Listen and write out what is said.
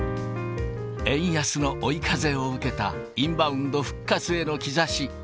円安の追い風を受けたインバウンド復活への兆し。